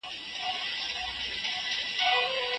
علامه رشاد د پښتنو د ملي شعور بیداروونکی دی.